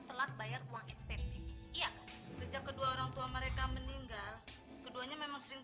telat bayar uang spp iya sejak kedua orang tua mereka meninggal keduanya memang sering